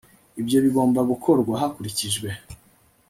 Ibyo bigomba gukorwa hakurikijwe